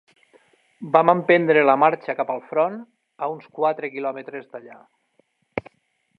Vam emprendre la marxa cap al front, a uns quatre quilòmetres d'allà.